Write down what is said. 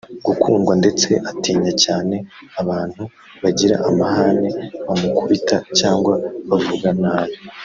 gukundwa ndetse atinya cyane abantu bagira amahane bamukubita cyangwa bavuga nabi